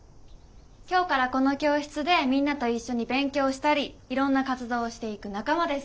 今日からこの教室でみんなと一緒に勉強したりいろんな活動をしていく仲間です。